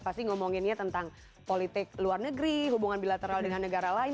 pasti ngomonginnya tentang politik luar negeri hubungan bilateral dengan negara lain